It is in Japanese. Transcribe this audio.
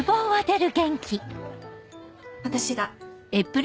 私が。